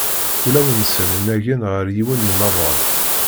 Ulawen-sen unagen ɣer yiwen n umaḍal.